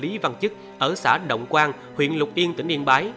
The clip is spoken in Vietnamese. nhà lý văn trúc ở xã động quang huyện lục yên tỉnh yên bái